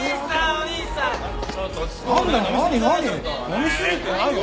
飲み過ぎてないよ。